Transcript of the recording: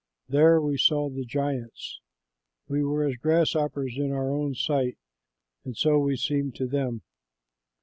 There we saw the giants; we were as grasshoppers in our own sight, and so we seemed to them."